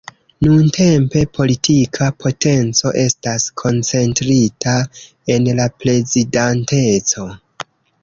Nuntempe, politika potenco estas koncentrita en la Prezidanteco.